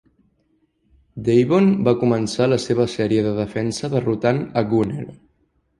Devon va començar la seva sèrie de defensa derrotant a Gunner.